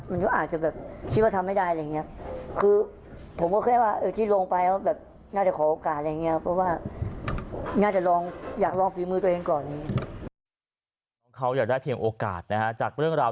มันก็อาจจะแบบคิดว่าทำไม่ได้อะไรอย่างนี้